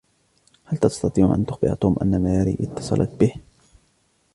هل تستطيع أن تخبر توم أن ماري إتصلت به؟